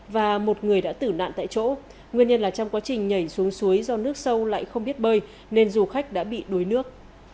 và một người đã tử nạn tại chỗ nguyên nhân là trong quá trình nhảy xuống suối do nước sâu lại không biết bơi nên du khách đã bị đuối nước